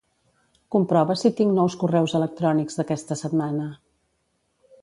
Comprova si tinc nous correus electrònics d'aquesta setmana.